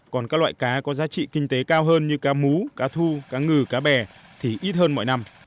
còn các loại cá có giá trị kinh tế cao hơn như cá mú cá thu cá ngừ cá bè thì ít hơn mọi năm